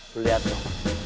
loh liat tuh